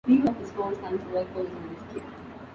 Three of his four sons work for his ministry.